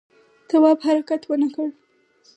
تواب حرکت ونه کړ.